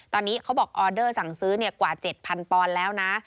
ตอนนี้เขาบอกออเดอร์สั่งซื้อกว่า๗๐๐ปอนด์แล้วนะ